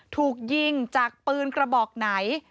ถูกยิงจากปืนกระบอกไหน